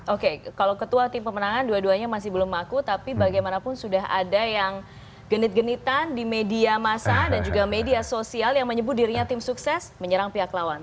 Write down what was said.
oke kalau ketua tim pemenangan dua duanya masih belum laku tapi bagaimanapun sudah ada yang genit genitan di media masa dan juga media sosial yang menyebut dirinya tim sukses menyerang pihak lawan